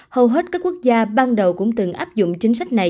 hầu hết các quốc gia ban đầu cũng từng áp dụng chính sách này